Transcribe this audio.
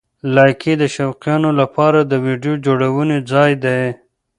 لایکي د شوقیانو لپاره د ویډیو جوړونې ځای دی.